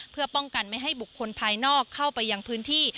เพื่อป้องกันไม่ให้บุคคลภายนอกเข้าไปยังพื้นที่